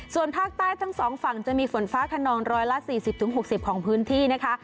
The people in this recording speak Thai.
ส่วนภาคใต้ทั้งสองฝั่งจะมีฝนฟ้าขนองร้อยละ๔๐๖๐ของพื้นที่นะคะ